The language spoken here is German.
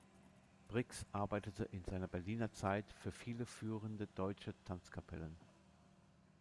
Briggs arbeitete in seiner Berliner Zeit für viele führende deutsche Tanzkapellen.